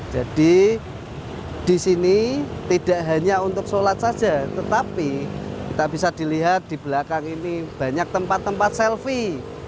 jadi disini tidak hanya untuk sholat saja tetapi kita bisa dilihat di belakang ini banyak tempat tempat selfie